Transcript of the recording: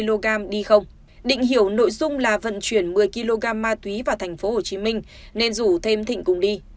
hai kg đi không định hiểu nội dung là vận chuyển một mươi kg ma túy vào tp hcm nên rủ thêm thịnh cùng đi